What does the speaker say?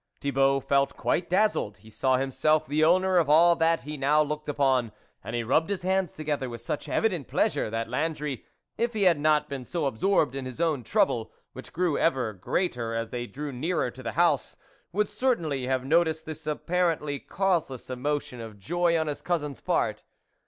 Thibault felt quite dazzled ; he saw him self the owner of all that he now looked upon, and he rubbed his hands together with such evident pleasure, that Landry, if he had not been so absorbed in his own trouble, which grew ever greater as they drew nearer to the house, would certainly have noticed this apparently causeless emotion of joy on his cousin's part.